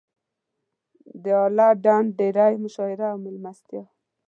د اله ډنډ ډېرۍ مشاعره او مېلمستیا.